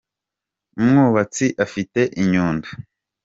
umwubatsi afite inyundo